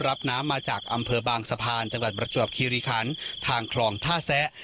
รับน้ำมาจากอำเภอบางสะพานจังหวัดประจวบคิริคันทางคลองท่าแซะ